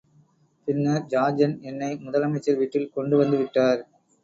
பின்னர் சார்ஜண்ட் என்னை முதல் அமைச்சர் வீட்டில் கொண்டு வந்துவிட்டார்.